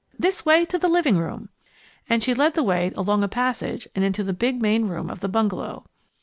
This way to the living room!" and she led the way along a passage and into the big main room of the bungalow.